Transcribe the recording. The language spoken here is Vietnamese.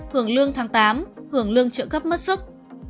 hưởng lương tháng tám hưởng lương trợ cấp mất sức